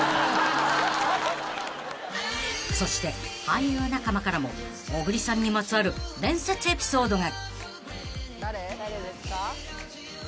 ［そして俳優仲間からも小栗さんにまつわる伝説エピソードが］